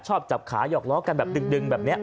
ชอบจับขาหยอกล้อกันแบบดึงแบบเนี่ย